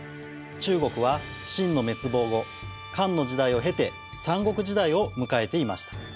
中国は秦の滅亡後漢の時代を経て三国時代を迎えていました。